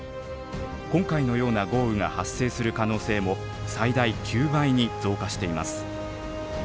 今回のような豪雨が発生する可能性も最大９倍に増加しています。